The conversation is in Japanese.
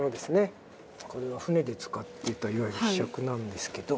これは船で使っていたいわゆる柄杓なんですけど。